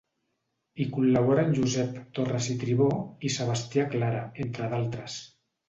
Hi col·laboren Josep Torres i Tribó i Sebastià Clara entre d'altres.